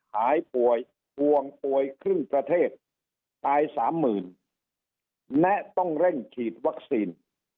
หายป่วยห่วงป่วยครึ่งประเทศตายสามหมื่นและต้องเร่งฉีดวัคซีน